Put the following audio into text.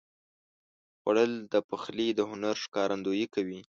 خوړل د پخلي د هنر ښکارندویي کوي